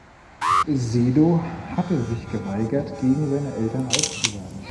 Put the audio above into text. Sedow hatte sich geweigert, gegen seine Eltern auszusagen.